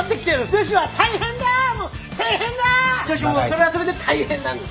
女子もそれはそれで大変なんです。